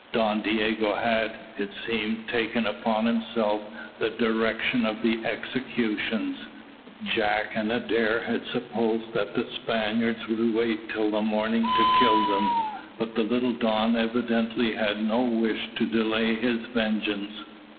Don Diogo had, it seemed, taken upon himself the direction of the executions. Jack and Adair had supposed that the Spaniards would wait till the morning to kill them, but the little Don evidently had no wish to delay his vengeance.